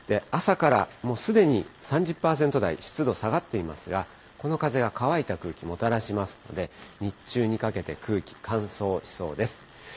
朝からもうすでに３０％台、湿度下がっていますが、この風が乾いた空気もたらしますので、日中にかけて、空気、乾燥しそうです。